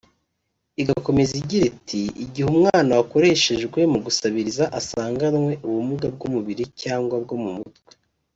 Igakomeza igira iti “Igihe umwana wakoreshejwe mu gusabiriza asanganywe ubumuga bw’umubiri cyangwa bwo mu mutwe